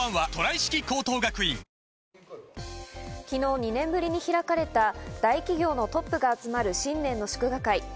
昨日２年ぶりに開かれた大企業のトップが集まる新年の祝賀会。